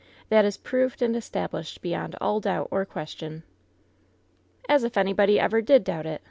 That is proved and established beyond all doubt or question." "As if anybody ever did doubt it.